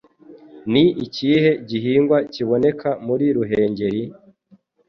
Ni ikihe gihingwa kiboneka muri ruhengeri?